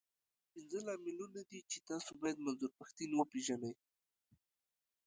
پنځه لاملونه دي، چې تاسو بايد منظور پښتين وپېژنئ.